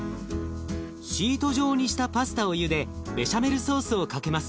シート状にしたパスタをゆでベシャメルソースをかけます。